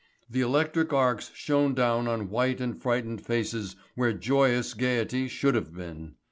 The electric arcs shone down on white and frightened faces where joyous gaiety should have been.